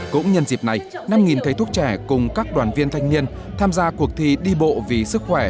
cũng nhân dịp này năm thầy thuốc trẻ cùng các đoàn viên thanh niên tham gia cuộc thi đi bộ vì sức khỏe